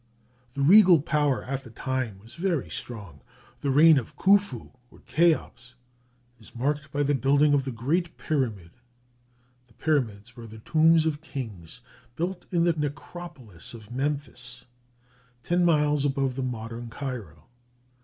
The regal power at that time was very strong. The reign of Khufu or Cheops is marked by the building of the great pyramid. The pyramids were the tombs of kings, built in the necropolis of Memphis, ten miles above the modern Cairo.